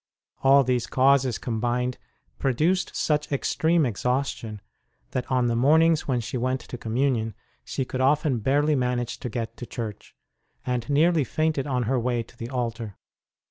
All these causes combined produced such extreme exhaustion that on the mornings when she went to Communion she could often barely manage to get to church, and nearly fainted on her way to the altar.